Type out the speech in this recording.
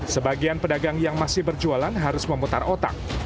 sebagian pedagang yang masih berjualan harus memutar otak